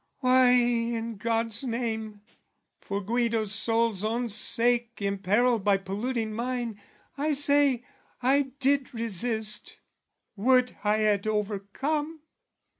Why, in God's name, for Guido's soul's own sake Imperilled by polluting mine, I say, I did resist; would I had overcome!